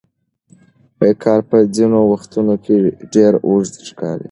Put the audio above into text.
کال په ځینو وختونو کې ډېر اوږد ښکاري.